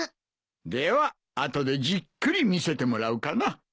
では後でじっくり見せてもらうかな。